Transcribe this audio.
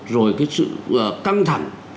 rồi cái sự căng thẳng